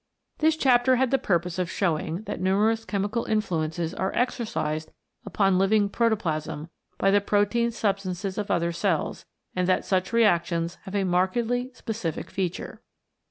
This chapter had the purpose of showing that numerous chemical influences are exercised upon living protoplasm by the protein substances of other cells, and that such reactions have a markedly specific feature.